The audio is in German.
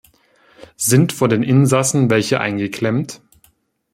Sind von den Insassen welche eingeklemmt?